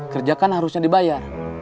kerja kan harusnya dibayar